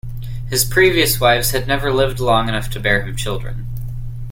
His previous wives had never lived long enough to bear him children.